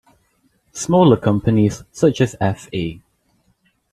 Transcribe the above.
Smaller companies such as f.e.